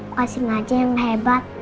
oksigen aja yang gak hebat